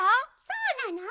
そうなの？